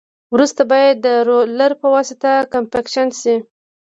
وروسته باید د رولر په واسطه کمپکشن شي